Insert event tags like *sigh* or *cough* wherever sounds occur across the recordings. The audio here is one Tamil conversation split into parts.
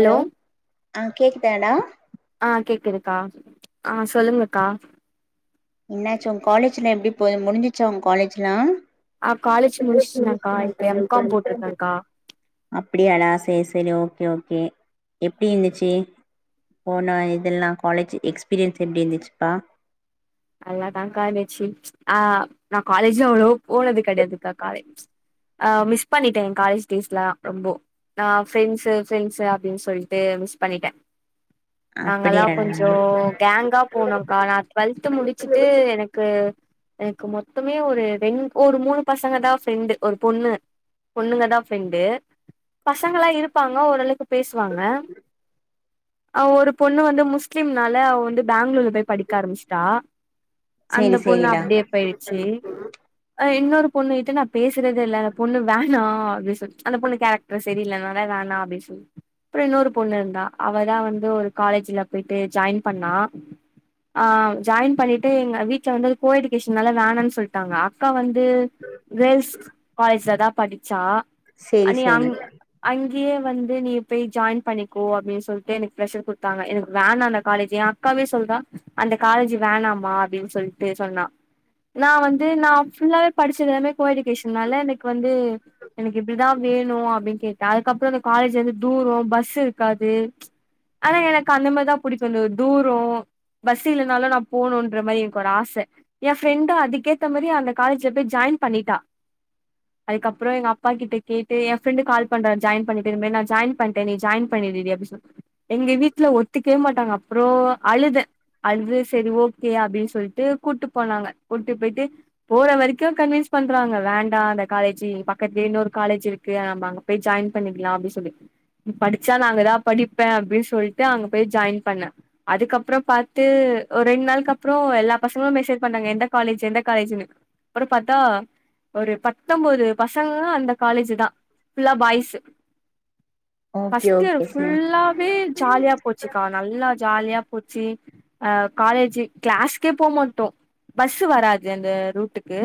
ஹலோ ஆ கேக்குதாடா க்கா ஆ சொல்லுங்கக்கா என்னாச்சு உங் காலேஜ்லா எப்டி போ முடிஞ்சிச்சா உங் காலேஜ்லா ஆ காலேஜ் முடிச்சுட்டனாக்கா இப்ப எம் காம் போட்டிருக்கேன்க்கா அப்டியாடா சேர் சேரி ஓ ஓகே ஓகே எப்டி இந்துச்சி போன இதெல்லா காலேஜ் எக்ஸ்பீரியன்ஸ் எப்டி இந்துச்சிப்பா நல்லாதான்க்கா இருச்சி ஆ நா காலேஜ்லா அவ்ளோவா போனதுக் கடையாதுக்கா காலேஜ் ஆ மிஸ் பண்ணிட்டேன் என் காலேஜ் டேஸ்லாம் ரொம்போ நா ஃப்ரெண்ட்ஸ்ஸு ஃப்ரெண்ட்ஸ்ஸு அப்டின்னு சொல்ட்டு மிஸ் பண்ணிட்டேன் நாங்கல்லா அப்படியாடா கொஞ்சோ கேங்காப் போனோம்கா நா ட்வெல்த் முடிச்சுட்டு எனக்கு எனக்கு மொத்தமே ஒரு ரெண் ஒரு மூணுப் பசங்க தான் ஃப்ரெண்டு ஒருப் பொண்ணு பொண்ணுங்கதா ஃப்ரெண்டு பசங்கலா இருப்பாங்க ஓரளக்கு பேசுவாங்க அவ ஒருப் பொண்ணு வந்து முஸ்லிம்னால அவ வந்துப் பேங்களூர்லப் பேய்ப் படிக்க ஆரம்பிச் ட்டா சேரி அந்தப் பொண்ணு சேரிடா அப்டியேப் போயிடுச்சு அ இ இன்னொருப் பொண்ணு கிட்ட நான் பேசுறதே இல்ல அந்தப் பொண்ணு வேணா அப்டி சொ அந்தப் பொண்ணு கேரக்ட்ர் சரியில்லனால வேணா அப்டி சொல் ப்ரோம் இன்னொருப் பொண்ணு இருந்தா அவதா வந்து ஒரு காலேஜ்லப் போயிட்டு ஜாயின் பண்ணா ஆ ஜாயின் பண்ணிட்டு எங்க வீட்ல வந்து கோஎஜூகேஷனால வேணான் சொல்ட்டாங்க அக்கா வந் ந்து கேள்ஸ் காலேஜ்லதா படிச்சா செரி செரி ங்கயே வந்து நீ போய் ஜாயின் பண்ணிக்கோ அப்டின்னு சொல்ட்டு எனக்குப் ப்ரெஷ்ஷர் குடுத்தாங்க எனக்கு வேணா அந்தக் காலேஜ் அக்காவே சொல்றா அந்தக் காலேஜ் வேணாமா அப்டின்னு சொல்ட்டு சொன்னா நா வந்து நா ஃபுல்லாவேப் படிச்சதெல்லாமே கோஎடுகேஷனால எனக்கு வந்து எனக்கு இப்டிதான் வேணும் அப்டின்னு கேட்டன் அதுக்கப்றம் அந்த காலேஜ் வந்து தூரோம் பஸ் இருக்காது ஆனா எனக்கு அந்த மாதரி தான் புடிக்கும் ந்த தூரம் பஸ் ஸ் இல்லனாலும் நா போனுன்ற மாரி எனக்கு ஒரு ஆச என் ஃப்ரெண்டு அதுக்கேத்த மாரி அந்த காலஜ்லப் போய் ஜாயின் பண்ணிட்டா அதுக்கப்பறம் எங்க அப்பாக் கிட்டக் கேட்டு என் ஃப்ரெண்டு கால் பண்ணா ஜாயின் பண்ணிட் திரும்ப நா ஜாயின் பண்ணிட்ட நீ ஜாயின் பண்ணிடுடீ அப்டி சொல் எங்க வீட்ல ஒத்துக்கவே மாட்டாங்க அப் அப்பறம் அழுதன் அழுது சரி ஓகே அப்டின்னு சொல்லிட்டு கூட்டு போனாங்க கூட்டிட்டு போயிட்டு போற வரைக்கும் கன்வைன்ஸ் பண்றாங்க வேண்டா அந்த காலேஜ்ச பக்கத்துல இன்னொரு காலேஜ் இருக்கு நம்ம அங்க போய் ஜாயின் பண்ணிக்கலா அப்டின்னு சொல்லி படிச்சா நா அங்கதா படிப்பே அப்டின்னு சொல்லிட்டு அங்க போய் ஜாயின் பண்ணே அதுக்கப்பறம் பாத் து ஒரு ரெண் நாளுக்கு அப்பறம் எல்லா பசங்களும் மெசேஜ் பண்ணாங்க எந்த காலேஜ் எந்த காலேஜ்ன்னு அப்றம் பாத்தா ஒரு பத்தொன்பது பசங்களும் அந்த காலேஜ் பா ஃபுல்லா பாய்ஸ்சு ஓகே ஃபர்ஸ்ட் ஓகே சேரி ஃபுல்லாவே ஜாலியா போச்சுக்கா நல்லா ஜாலியா போ போச்சி அ காலேஜ்ஜி கிளாசுக்கே போ மாட்டோ பஸ் வராது அது ரூட்டுக்கு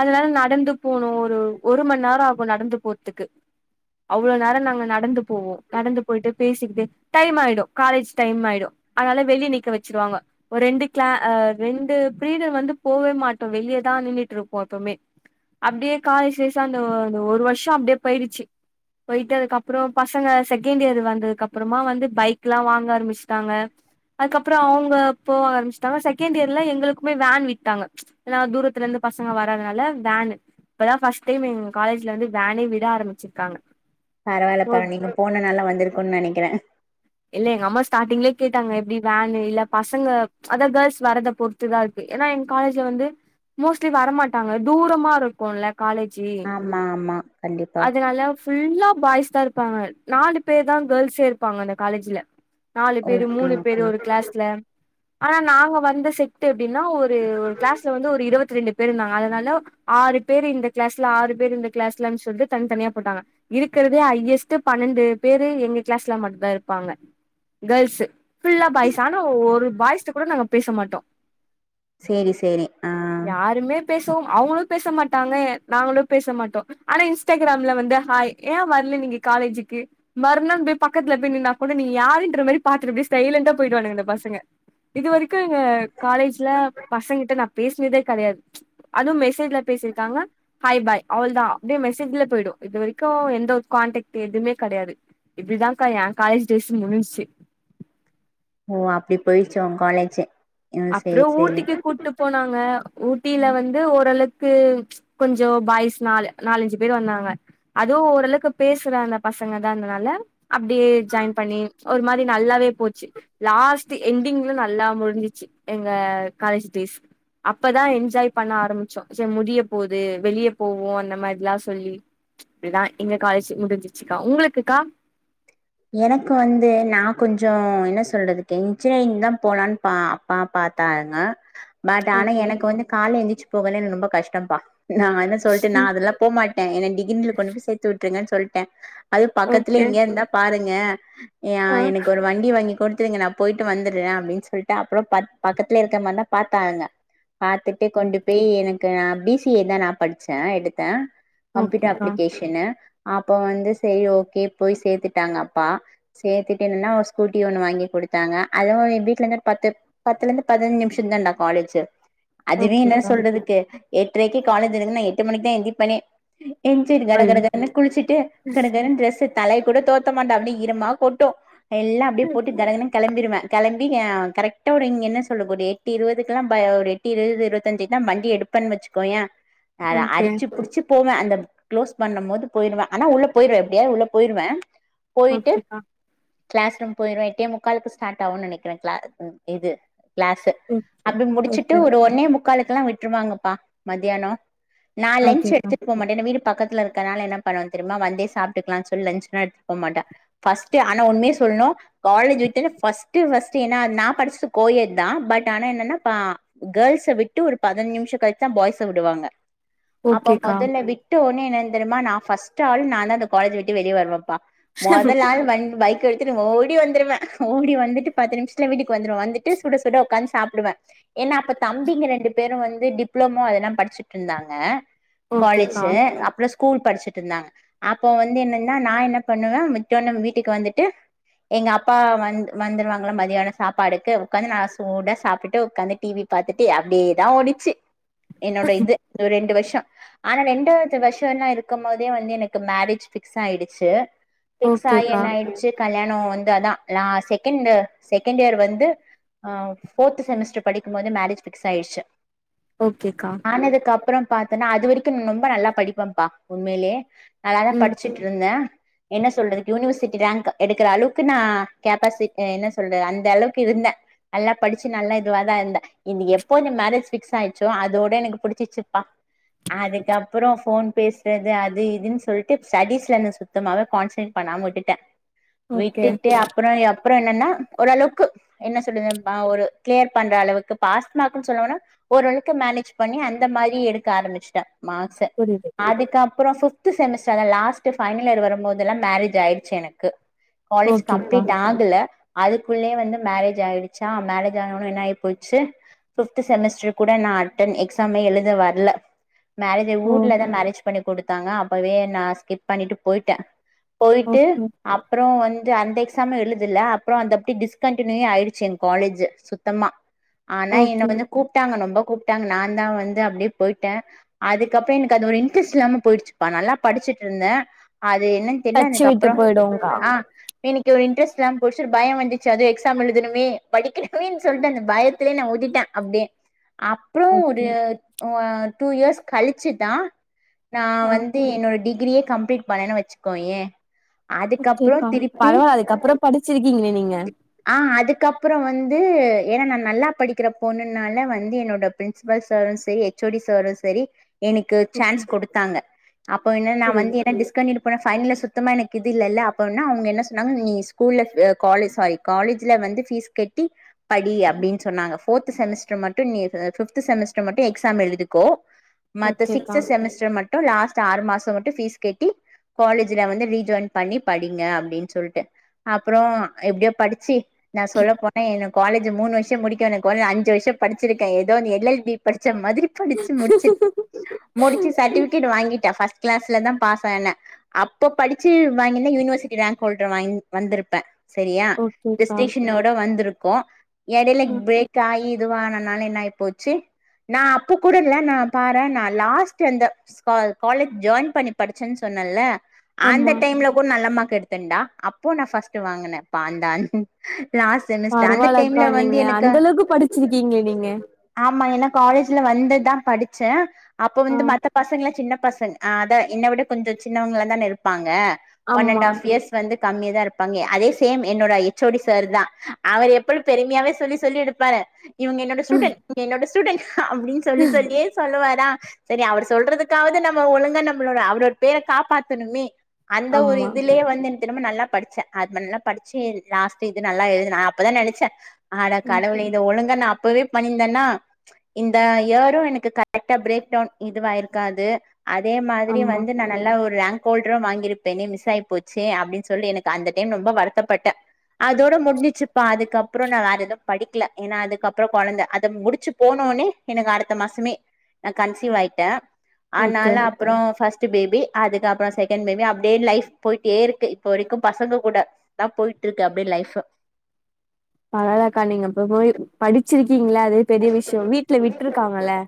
அதனால நடந்து போணோ ஒரு ஒரு மண் நேரம் ஆகும் நடந்து போறதுக்கு அவ்ளோ நேரம் நாங்க நடந்து போவோ நடந்து போயிட்டு பேசிக்கிட்டு டைம் ஆயிடும் காலேஜ் டைம் ஆயிடும் அதனால வெளியே நிக்க வச்ச சிருவாங்க ஒரு ரெண்டு கே அ அது ரெண்டு பீரியட் வந்து போவே மாட்டோ வெளியேதா நின்னுட்டு இருப்போ எப்பவுமே அப்டியே காலேஜ் டேஸ்ல அந்த அந்த ஒரு வருஷம் அப்டே போயிடுச்சி போயிட்டு அதுக்கப்பறம் பசங்க செகண்ட் இயர் வந்ததுக்கு அப்பறமா வந்து பைக்லா வாங்க ஆரம்பிச்சிட்டாங்க அதுக்கப் அப்பறம் அவுங்க போக ஆரம்பிச்சட்டாங்க செகண்ட் இயர்ல எங்களுக்குமே வேன் விட்டாங்க ஏனா தூரத்துல இருந்து பசங்க வர்துனால வேனு இப்பதா ஃபர்ஸ்ட் டைம் எங்க காலேஜ்ல வந்து வேனே விட ஆரம்பிச் பரவால்ல இப்ப நீங்க போன நாலா வந்திருக்குன்னு நெனைக்கிற இல்ல எங்க அம்மா ஸ்டார்டிங்லயே கேட்டாங்க எப்டி வேன்ன இல்ல பசங்க அதா கேர்ள்ஸ் வர்றத பொறுத்துதா இருக்கு ஏன்னா எங்க காலேஜ்ல வந்து மோஸ்ட்லி வரமாட்டாங்க தூரமா இருக்கோம்ல காலேஜ் ஆமா ஆமா கண்டிப்பா அதனால ஃபுல்லா பாய்ஸ்தா இருப்பாங்க நாலு பேர்தா கேர்ள்சே இருப்பாங்க அந்த காலேஜ்ல நாலு பேரு ஓகே மூணு பேரு ஓகே ஒரு கிளாஸ்ல ஆனா நாங்க வந்து செட்டு அப்டின்னா ஒரு ஒரு கிளாஸ்ல வந்து ஒரு இருபத்தி ரெண்டு இருந்தாங்க அதனால ஆறு பேர் இந்த கிளாஸ்ல ஆறு பேர் இந்த கிளாஸ்ல சொல்லிட்டு தனித்தனியா போட்டாங்க இருக்கிறதே ஹையஸ்ட் பன்னெண்டு பேரு எங்க கிளாஸ்ல மட்டும் தா ருப்பாங்க கேர்ள்ஸ்சு ஃபுல்லா பாய்ஸ் ஆனா ஒரு பாய்ஸ்ட்ட கூட நாங்க பேச மாட்டோ சேரி சேரி ஆ பேசுவோம் அவங்களு பேச மாட்டாங்க நாங்களு பேச மாட்டோ ஆனா இன்ஸ்டாகிராம்ல வந்து ஹாய் ஏன் வரல நீங்க காலேஜக்கு மறுநாள் வந்து பக்கத்துல போய் நின்னா முதல்ல நீ யாருன்ற மாரி பாத்துட்டு அப்டியே சைலன்டா போயிடுவானுங்க இந்த பசங்க இது வரைக்கு எங்க காலேஜ்ல பசங்கிட்ட நா பேசினதே கெடையாது அதுவு மெசேஜ்ல பேசிருக்காங்க ஹாய் பாய் அவளோதா அப்டியே மெசேஜ்ல போய்டு இது வரைக்கு எந்த ஒரு காண்டடக்ட் எதுவுமே கெடையாது இப்டிதாக்கா ஏ காலேஜ் டேஸ் முடிஞ்சி ஓ அப்டி போயிச்சா உங் காலேஜ்சு அப்புறோ ஊட்டிக்கு கூட்டு போனாங்க ஊட் டியில வந்து ஓரளவுக்கு கொஞ்ச பாய்ஸ் நாலு நாலஞ்சு பேர் வந்தாங்க அதுவு ஓரளவுக்கு பேசுற அந்த பசங்கதான்னால அப்டியே ஜாயின் பண்ணி ஒரு மாரி நல்லாவே போச்சு லாஸ்ட் எண்டிங்ல நல்லா முடிஞ்சிச்சு எங்க காலேஜ் டேஸ் அப்பதா என்ஜாய் பண்ண ஆரம்பிச்சோ சேர் முடிய போகுது வெளியே போவோ அந்த மாரில்லா சொல்லி இப்டிதா எங்க காலேஜ் முடிஞ்சிச்சுக்கா உங்ளுக்குக்கா எனக்கு வந்து நா கொஞ்சோ என்ன சொல்றதுக்கு இன்ஜினியரிங்தா போலான்னு பா அப்பா பாத்தாங்க பட் ஆனா ஓகே எனக்கு வந்து கால எந்திச்சு போகலென் ரொம்ப கஷ்டம்பா நா என்ன சொல்லிட்டு நா ம் அதெல்லா போமாட்டே என்ன டிகிரில கொண்டு போய் சேத்து விட்டுருங்கச் சொல்ட்ட அது பக்கத்துலெயெ ஓகே இங்கே இருந்தா ங்க யா ஆ எனக்கு ஒரு வண்டி வாங்கி குட் விட்ருங்க நா போய்ட்டு வந்துடுற அப்டின் சொல்ட்டு அப்புறோ ப பக்கத்துல இருக்க மாந்தா பாத்தாங்க பாத்துட்டு கொண்டு பேய் எனக் அ பி சி ஏ தா நா படிச்ச எடுத்த கம்ப்யூட் ஓகேக்கா அப்ளிகேஷனு அப்போ வந்து செரி ஓகே போய் சேத்து விட்டாங்க அப்பா சேத்துட்டு என்னனா ஒரு ஸ்கூட்டி ஒண்ணு வாங்கி குடுத்தாங்க அதுவு வீட்ல இருந்து ஒரு பத்து பத்துல இருந்து பதினெஞ்சு நிமிஷோ தான்டா காலேஜு அதுவே என்ன ஓகேக்கா சொல்றதுக்கு எட்டரைக்கி காலேஜ் இருக்கு நா எட்டு மணிக்கு தா எந்திப்பனே என்சுரி கட ஐயோ கட கடன் குளிச்சிட்டு கட கடன ட்ரெஸ் எ தலைய கூட தோட் த்த மாட்ட அப்டி ஈரமா கொட்டு எல்லா அப்டியே போட்டு தரகணு கெளம்பிருவ கெளம்பி அ கரெக்டா ஒரு இங்க என்ன சொல்லுங்க ஒரு எட்டு இருவதுக்கெல்லா ப ஒரு எட்டு இவபது இருவத்தஞ்சுகுலா வண்டிய எடுப்பன் வச்சுக்கோய அத ஓகே அடிச்சு புடிச்சு போவ அந்த க்ளோஸ் பண்ணும் போது போய்டுவ ஆனா உள்ள போயிருவ எப்டியாது உள்ள போய்ருவ ஓகேகா க்ளஸ் ரூம் போய்ருவ எட்டே முக்கால்க்கு ஸ்டார்ட் ஆவுன் நெனைக்கிற க்ள இது க்ளாசு ம் அப்டி முடிச்சுட்டு ஓகே ஒரு ஒன்னே முக் க்காலுக்கெல்லா விட்ருவாங்கப்பா மத்யானோ நா லன்ச் ஓகேக்கா எடுத்துட் போ மாட்ட ஏனா வீடு பக்கத்ல இருக்கனால என்ன பண்ணுவ தெரிமா வந்தே சாப்ட்டுக்கலா சொல்லி லன்ச்லா எடு போ மாட்ட ஃபஸ்ட்டு ஆனா உண்மய சொல்ணு காலேஜ் விட்டனே ஃபஸ்ட்டு ஃபஸ்ட்டு ஏனா நா படிச்சுட்டு கோயெட் தா பட் ஆனா என்னனா பா கேர்ள்ஸ விட்டு ஒரு பதினஞ்சு நிமிஷோ கழிச்சு தா பாய்ஸ விடுவாங்க அப்ப ஓகேக்கா மொதல்ல விட்ட ஒ னே என்னன் தெரிமா நா ஃபஸ்ட் ஆள் நாந்தா அந்த காலேஜ விட்டு வெளிய வருவப்பா மொதல் ஆள் வண் வை கெடுத்துட்டு ஓடி வந்துருவ ஓடி வந்துட்டு பத்து நிமிசத்ல வீட்டுக்கு வந்துருவ வந்துட்டு சுட சுட உக்கான் சாப்டுவ ஏனா அப்ப தம்பிங்க ரெண்டு பேரு வந்து டிப்ளமோ அதெல்லா படிச்சுட்ருந்தாங்க ஓகேக்கா காலேஜு அப்றோ கூல் படிச்சுட்ருந்தாங்க அப்போ வந்து என்னன்னா நா என்ன பண்ணுவ மித்தோன வீட்டுக்கு வந்துட்டு எங்க அப்பா வந் வந்துருவாங்களா மதியானொ சாப்பாடுக்கு உக்காந்து நல்லா சூடா சாப்டுட்டு உக்காந்து டிவி பாத்துட்டு அப்டியேதா ஓடிச்சு என்னோட இது ரெண்டு வர்ஷ் டொ ஆனா ரெண்டாவது வர்ஷோல்லா இருக்கும்மோதே வந்து எனக்கு மரேஜ் ஃபிக்ஸாய்டிச்சு பிக்ஸ் ஆயி ஓகேக்கா என்ன ஆயிடுச்சு கல்யாணோ வந்து அதா லா செகெண்டு செகண்டியர் வந்து ஆ ஃபோர்த்து செமெஸ்டர் படிக்கும்மோது மரேஜ் ஃபிக்ஸ் ஆயிடுச்சு ஓகேக்கா ஆனதுக்கப்றோ பாத்தன்னா அது வரிக்குன் னொம்ப நல்லா படிப்பன் பா உண்மைலியே நல்ல தா ம் படிச்சுட்டுருந்த என்ன சொல்றதுக்கு யூனிவெர்சிட்டி ரேங்க்கு எடுக்குற அளவுக்கு நா கேப்பாசி என்ன சொல்றது அந்த அளவுக்கு இருந்த நல்லா படிச்சு நல்லா இதுவா தா இருந்த இது எப்போ இந்த மேரேஜ் ஃபிக்ஸாயிட்ச்சோ அதோட எனக்கு புடிச்சிச்சுப்பா அதுக்கப்புறோ ஃபோன் பேசுறது அது இதுன் சொல்ட்டு ஸ்டடீஸ்ல சுத்தமாவே கான்சன் பண்ணாம விட்டுட்ட ஓகே விட்டுட்டு அப்பறோ எப் ப்பறோ என்னன்னா ஓரளவுக்கு என்ன சொல்லுது ப ஒரு க்ளியர் பண்ற அளவுக்கு பாஸ் மார்க்குன் சொல்லவேனா ஓரளவுக்கு மேனேஜ் பண்ணி அந்த மாரி எடுக்க ஆரம்பிச்ட்ட மார்க்ஸ்ஸ புரியுது அதுக்கப்றோ ஃபிஃப் த்து செமெஸ்ட்ரு அதா லாஸ்ட்டு ஃபைனல் இயர் வரும்போது தெல்லா மேரேஜ் ஆயிடுச்சு எனக்கு காலேஜ் ஓகேக்கா கம்ப்லீட் ஆகல அதுக்குள்யே வந்து மேரேஜ் ஆயிடுச்சா மேரேஜ் ஆன ஒனே என்னாயி போச்சு ஃபிஃப்த்து செமிஸ்டர் கூட நா அட்டன் எக்ஸாமே எழுத வர்ல மேரேஜ் ஆய் ஓ ஊர்ல தா மேரேஜ் பண்ணி குடுத்தாங்க அப்பவே நா ஸ்கிப் பண்ணிட்டு போய்ட்ட போய்ட்டு ஓகே அப்றோ வந் து அந்த எக்ஸாம்யு எழுதல அப்றோ அந்த அப்டி டிஸ்கண்டினியூயே ஆயிடுச்சு எங் காலேஜு சுத்தமா ஆனா என்ன ஓகே வந்து கூப்ட்டாங்க னொம்பொ கூப்ட்டாங்க நா தா வந்து அப்டே போய்ட்ட அதுக்கப்ப எனக்கு அது ஒரு இன்ட்ரஸ் இல்லாம போயிடுச்சுபா நல்லா படிச்சிட்ருந்த அது என் டச்சு விட்டு போய்டுங்கா இப்டியே நிக்க ஒரு இன்டரஸ்ட் இல்லாம போய்டிச்சு ஒரு பயம் வந்துச்சு அதுவு எக்ஸாம் எழுதணுமே படிக்கணுமேன்னு சொல்ட்டு அந்த பயத்துலயே நா ஊதிட்டே அப்டியே அப்றோ ஒரு ஓகே ஒ டூ இயர்ஸ் கழிச்சுதா நா ஆ வந்து என்னோட டிக் கிரியே கம்ப்ளீட் பண்ணேணு வச்சுக் கோயே *unintelligible* கேக்காம பரவால அதுக்கப்பறோ படிச்சிருக்கீங்களே நீங்க ஆ அதுக்கப்பறோ வந்து ந்து ஏன்னா நா நல்லா படிக்குற பொண்ணுனால வந்து என்னோட பிரின்சிபல் சாரு செரி எச்சோடி சாரு செரி எனக்கு ஓகே சான்ஸ் குடுத்தாங்க அப்போ என்ன நா புரியுது வந்து டிஸ்கண்டினுவ் பனோ ஃபைன்லா சுத்தமா எனக்கு இது இல்லேல்ல அப்போன்னா அவுங்க என்ன சொன்னாங்க நீ ஸ்கூல்ல காலேஸ் வாயி காலேஜ்ல வந்து ஃபீஸ் கட்டி படி அப்டின்னு சொன்னாங்க ஃபோர்த் செமஸ்டர் மட்டு நீ பிப்த் செமஸ்டர் மட்டு எக்ஸாம் எழுதிக்கோ மத்த ஓகேக்கா சிக்ஸ்த் செமஸ்டர் மட் ட்டு லாஸ்ட் ஆறு மாசோ மட்டு பீஸ் கட்டி காலேஜுல வந்து ரீஜாயின் பண்ணி படிங்க அப்டின்னு சொல்ட்டு அப்றோ எப்டியோ படிச்சி நா சொல்ல போனா எனக் காலேஜ்ஜு மூணு வருஷோ முடிக்கனு கொறஞ்தது அஞ்சு வருஷோ படிச்சிருக்கே ஏதோ ஒன்னு எல் எல் பி படிச் ச்ச மாதிரி படிச்சு முடிச்சிட் முடிச்சு சட்டுஃபிகேட் வாங்கிட் க்கே ஃபர்ஸ்ட் க்ளாஸ்ல தா பாஸ் ஆனே அப்ப படிச்சு வாங்கிருந்தா யூனிவர்சிட்டி ரேங்க் ஹோல்டர் வாங் வந்துருப்பே செரியா ஓகேக்கா டிஸ்டின்ஷனோட வந்துரு குவோ எடையில ம் ப்ரேக் ஆயி இதுவான நால என்ன ஆயி போச்சு நா அப்ப கூடல்ல நா பாறே நா லாஸ்ட் அந்த காலேஜ் ஜாயின் பண்ணி படிச்சேன்னு சொன்னேல்ல அந்த ஆமா டைம்ல கூட நல்ல மார் ர்க் எடுத்தன்டா அப்போ நா ஃபர்ஸ்ட் வாங்குனே பான் தான் பரவால்லக்கா நீங்க அந்த அளவுக்கு படிச்சிருக்கீங்களே நீங்க ஆமா ஏன்னா காலேஜ்ல வந்துதா படிச்சே அப்ப ஆ வந்து மத்த பசங்கல சின்னப் பசங்க அதா என்ன விட கொஞ்சோ சின்னவங்களா தான இருப்பாங்க ஒன் அண்ட் ஆமா ஆஃப் இயர்ஸ் வந்து கம்மியா தா இருப்பாங்க அதே சேம் என்னோட எச் ஓடி சாருதா அவர் எப்போது பெருமையாவே சொல்லி சொல்லி எடுப்பாரு இவுங்க என்னோட ஸ்ட்டூடண்ட் என்னோட ஸூ டூடண் ஹ அப்டின்னு சொல்லி சொல்லியே சொல்லுவாரு நா செரி அவர் சொல்றதுக்காவது நம்ம ஒழுங்கா நம்மளோட அவரோட பேர காப்பாத்தணுமே அந்த ஒரு ஆமா இதுலயே வந்து என்ன தெரிம்மா நல்லா படிச்சே அது நல்லாப் படிச்சு லாஸ்ட் இது நல்லா எழுதுன அப்பதா நெனச்சே அட ம் கடவுளே இத ஒழுங்க நா அ ப்பவே பண்ணியிருந்தேன்னா இந்த இயரூ எனக்கு கரெக்டா ப்ரேக் டவுன் இதுவாயிருக்காது அதே மாதிரி ஆமா வந்து நா நல்லா ஒரு ராங்க் ஓல்ட்ரு வாங்கியிருப்பேனே மிஸ் ஆயி போச்சே அப்டின்னு சொல்லி எனக்கு அந்த டைம் ரொம்ப வருத் தப்பட்டே அதோட முடிஞ்சிச்சுப்பா அதுக்கப்றோ நா வேற எதுவு படிக்கல ஏனா அதுக்கப்றோ கொழந்த அத முடிச்சு போனோனே எனக்கு அடுத்த மாசமே நா கன்சீவ் ஆயிட்டே ஓகே அனால அப்றோ ஃபஸ் ட்டு பேபி அதுக்கப்றோ செகண்ட் பேபி அப்டியே லைஃப் போய்ட்டே இருக்கு இப்போ வரைக்கூ பசங்க கூட தா போய்ட்ருக்கு அப்டியே லைஃபு இருக்கீங்களே அதுவே பெரிய விஷ்யோ வீட்ல விட்ருக்காங்களே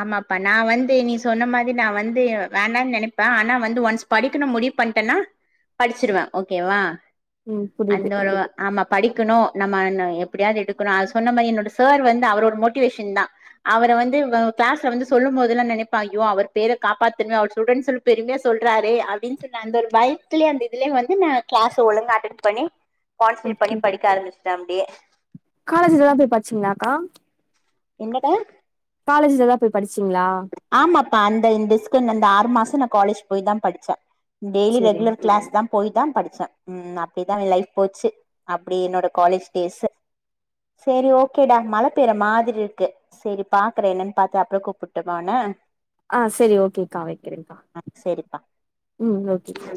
ஆமாப்பா நா வந்து நீ சொன்ன மாரி நா வந்து வேணானு நெனப்பே ஆனா வந்து ஒன்ஸ் படிக்கணு முடிவு பண்ட்டேன்னா படிச்சுருவே ஓகேவா ம் புரியுது அந்த ஒரு ஆமா படிக்கணு நம்ம னு எப்டியாது எடுக்கணு அது சொன்ன மாரி என்னோட சார் வந்து அவரோட மோட்டிவேஷன் தா அவர வந்து வ கிளாஸ்ல வந்து சொல்லும் போதெல்லா நெனப்ப ஐயோ அவர் பேர காப்பாத்தனு அவர் ஸ்டூடென்ட் சொல்லி பெருமையா சொல்றாரே அப்டின்னு சொன்ன அந்த ஒரு பயத்துலயே அந்த இதுலயே வந்து நா கிளாஸ் ஒழுங்கா அட்டென் பண்ணி கான்சன்ட்ரேட் ஒகே பண்ணி படிக்க ஆரம்பிச்சுட்டே அப்டியே காலேஜ்லல்லா போய் படிச்சீங்களா அக்கா என் கேட்ட காலேஜ்லலா போய் படிச் ஆமாப்பா அந்த இந்த இஸ்கு அந்த ஆறு மாசம் அப் காலேஜ் போய் தா படிச்சே டெய்லி சேரிங்க ரெகுலர் க்ளாஸ் தா போய் தா படிச்சே ம் அப்டிதா லைஃப் போச்சு அப்டி என்னோட காலேஜ் டேஸ்ஸு சேரி ஓகேடா மழ பெய்ற மாதிரி இருக்கு சரி பாக்குறே என்னன்னு பாத்து அப்புறொ கூப்புட் ட்டு போனா ஆ செரி ஓகேக்கா வைக்கிறேக்கா ஆ சேரிப்பா ம் ஓகேக்கா